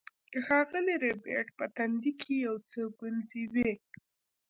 د ښاغلي ربیټ په تندي کې یو څه ګونځې وې